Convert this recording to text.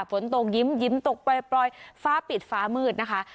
ฝนตกยิ้มยิ้มตกปล่อยปล่อยฟ้าปิดฟ้ามืดนะคะ